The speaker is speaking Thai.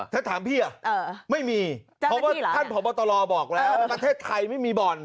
ถ้าถามพี่อ่ะไม่มีเพราะว่าท่านผอบตรบอกแล้วประเทศไทยไม่มีบ่อน